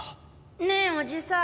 ねえおじさん。